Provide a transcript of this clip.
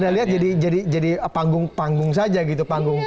jadi ini ada lihat jadi panggung panggung saja gitu